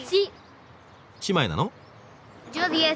姉妹なの？